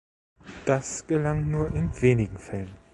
Das gelang nur in wenigen Fällen.